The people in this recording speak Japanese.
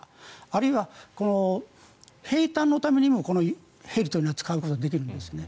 あるいは兵たんのためにもこのヘリは使うことができるんですね。